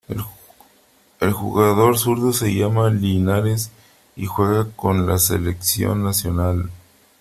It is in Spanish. El jugador zurdo se llama Linares y juega con la selección nacional.